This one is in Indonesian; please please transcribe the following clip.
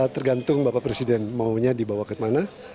tergantung bapak presiden maunya dibawa kemana